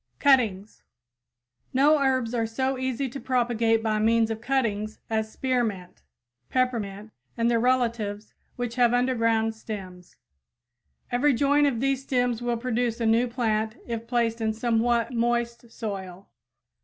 CUTTINGS [Illustration: Glass Covered Propagating Box] No herbs are so easy to propagate by means of cuttings as spearmint, peppermint, and their relatives which have underground stems. Every joint of these stems will produce a new plant if placed in somewhat moist soil.